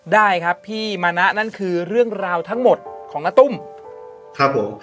ได้ครับพี่มณะนั่นคือเรื่องราวทั้งหมดของณตุ้มครับผม